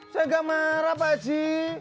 saya nggak marah pak haji